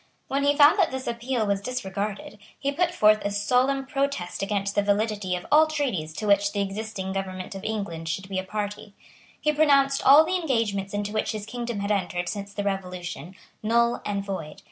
When he found that this appeal was disregarded, he put forth a solemn protest against the validity of all treaties to which the existing government of England should be a party. He pronounced all the engagements into which his kingdom had entered since the Revolution null and void.